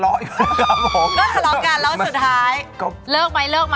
แล้วคุณพูดกับอันนี้ก็ไม่รู้นะผมว่ามันความเป็นส่วนตัวซึ่งกัน